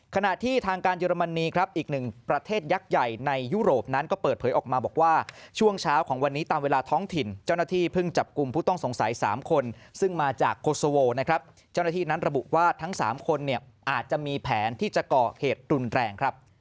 ขณะที่ทางการเยอรมนีครับอีกหนึ่งประเทศยักษ์ใหญ่ในยุโรปนั้นก็เปิดเผยออกมาบอกว่าช่วงเช้าของวันนี้ตามเวลาท้องถิ่นเจ้าหน้าที่เพิ่งจับกลุ่มผู้ต้องสงสัย๓คนซึ่งมาจากโคโซโวนะครับเจ้าหน้าที่นั้นระบุว่าทั้ง๓คนเนี่ยอาจจะมีแผนที่จะก่อเหตุรุนแรงครับ